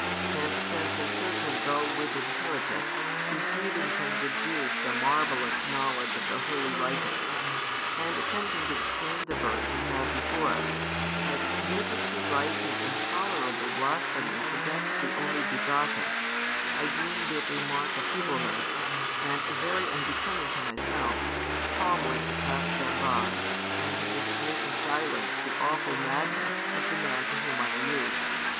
And since a certain dull witted heretic, receiving from the Jews some marvellous knowledge of the holy writings, and attempting to explain the verse we have before us, has committed to writing intolerable blasphemies against the Only begotten, I deemed it a mark of feebleness, and very unbecoming to myself, calmly to pass them by, and to dismiss in silence the awful madness of the man to whom I allude.